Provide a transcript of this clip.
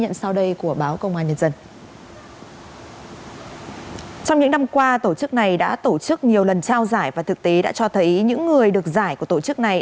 trong những năm qua tổ chức này đã tổ chức nhiều lần trao giải và thực tế đã cho thấy những người được giải của tổ chức này